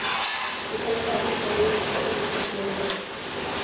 Peoples Party کا ایک فکری پس منظر ہے۔